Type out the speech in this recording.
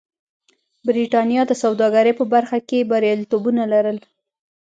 برېټانیا د سوداګرۍ په برخه کې بریالیتوبونه لرل.